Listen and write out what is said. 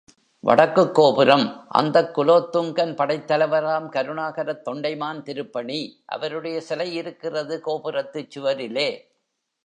வடக்குக்கோபுரம், அந்தக் குலோத்துங்கன் படைத் தலைவராம் கருணாகரத் தொண்டைமான் திருப்பணி, அவருடைய சிலையிருக்கிறது கோபுரத்துச் சுவரிலே.